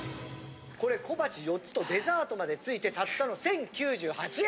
これ小鉢４つとデザートまで付いてたったの１，０９８円。